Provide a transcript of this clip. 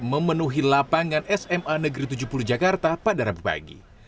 memenuhi lapangan sma negeri tujuh puluh jakarta pada rabu pagi